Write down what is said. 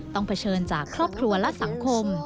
เผชิญจากครอบครัวและสังคม